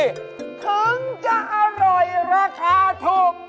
ถึงจะอร่อยราคาถูก